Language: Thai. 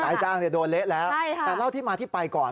นายจ้างโดนเละแล้วแต่เล่าที่มาที่ไปก่อน